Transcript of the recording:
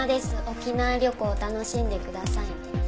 沖縄旅行楽しんでくださいね。